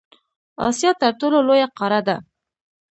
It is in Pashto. اسیا تر ټولو لویه قاره ده.